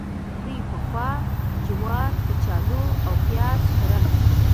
دوی پخوا جوار، کچالو او پیاز کرل.